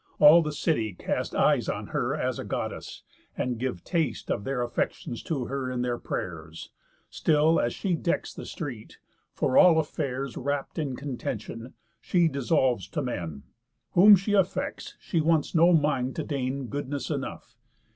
All the city cast Eyes on her as a Goddess, and give taste Of their affections to her in their pray'rs, Still as she decks the street; for, all affairs Wrapt in contention, she dissolves to men. Whom she affects, she wants no mind to deign Goodness enough.